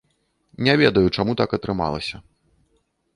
Не ведаю, чаму так атрымалася.